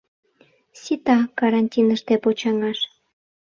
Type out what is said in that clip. Сита карантиныште почаҥаш.